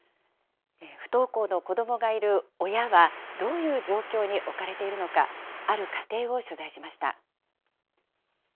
不登校の子どもがいる親は、どういう状況に置かれているのか、ある家庭を取材しました。